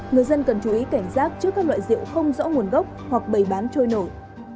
người dân cần chú ý cảnh giác trước các loại rượu không rõ nguồn gốc hoặc bày bán trôi nổi